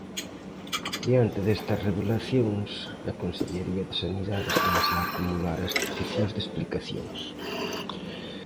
Diante destas revelacións, na Consellería de Sanidade estanse a acumular as peticións de explicacións.